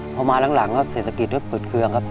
พอมาหลังเสร็จศักดิ์ก็เปิดเครื่องครับ